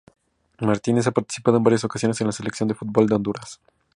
Martínez ha participado en varias ocasiones con la Selección de fútbol de Honduras.